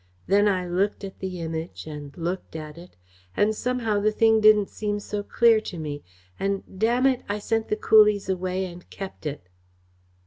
Then I looked at the Image and looked at it, and somehow the thing didn't seem so clear to me, and damn it, I sent the coolies away and kept it!"